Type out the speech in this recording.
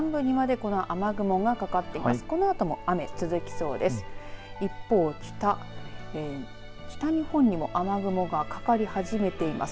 このあとも雨、続きそうです。